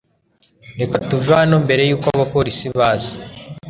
Reka tuve hano mbere yuko abapolisi baza.